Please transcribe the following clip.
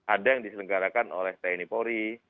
ada yang diselenggarakan oleh tni polri